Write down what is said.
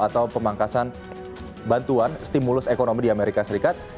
atau pemangkasan bantuan stimulus ekonomi di amerika serikat